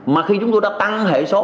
mà khi chúng tôi đã tăng hệ số